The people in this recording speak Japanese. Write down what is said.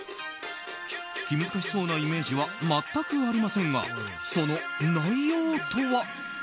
気難しそうなイメージは全くありませんがその内容とは。